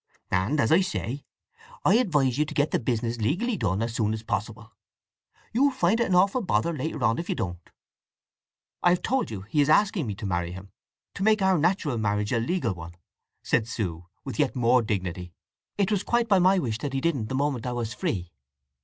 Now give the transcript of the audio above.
And, as I say, I'd advise you to get the business legally done as soon as possible. You'll find it an awful bother later on if you don't." "I have told you he is asking me to marry him—to make our natural marriage a legal one," said Sue, with yet more dignity. "It was quite by my wish that he didn't the moment I was free."